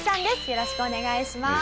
よろしくお願いします。